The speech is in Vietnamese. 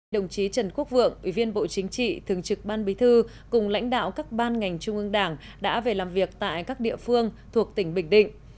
đồng chí trần quốc vượng ủy viên bộ chính trị thường trực ban bí thư cùng lãnh đạo các ban ngành trung ương đảng đã về làm việc tại các địa phương thuộc tỉnh bình định